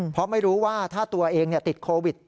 เพราะไม่รู้ว่าถ้าตัวเองติดโควิด